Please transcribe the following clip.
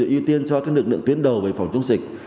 ưu tiên cho lực lượng tuyến đầu về phòng chống dịch